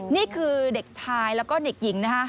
นี่คือเด็กชายแล้วก็เด็กหญิงนะฮะ